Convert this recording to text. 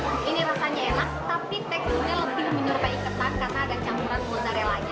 hmm ini rasanya enak tapi teksturnya lebih menyerupai ketat karena ada campuran mozzarella nya